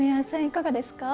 いかがですか？